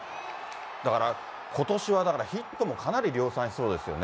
だから、ことしはだから、ヒットもかなり量産しそうですよね。